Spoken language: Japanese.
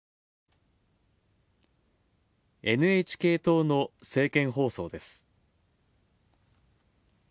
ＮＨＫ党の政見放送です。